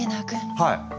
はい！